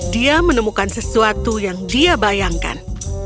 dia menemukan sesuatu yang dia bayangkan